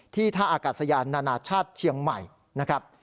ท่าอากาศยานนานาชาติเชียงใหม่นะครับ